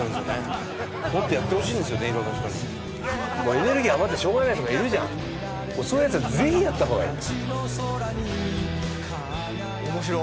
エネルギー余ってしょうがないヤツとかいるじゃんそういうヤツは全員やった方がいい！